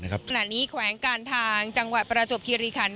ขณะนี้แขวงการทางจังหวัดประจวบคิริคัน